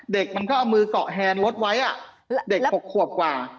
เด็กมันก็เอามือเกาะแฮนรถไว้เด็ก๖ขวบกว่า